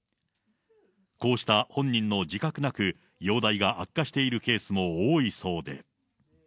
こうした本人の自覚なく、容体が悪化しているケースも多いそうで。